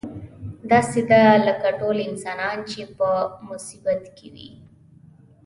داسې ده لکه ټول انسانان چې په مصیبت کې وي.